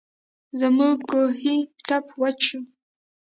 زموږ کوهۍ ټپ وچ شو.